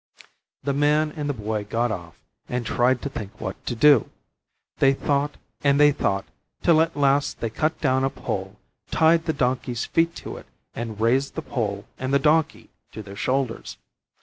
The Man and Boy got off and tried to think what to do. They thought and they thought, till at last they cut down a pole, tied the donkey's feet to it, and raised the pole and the donkey to their shoulders.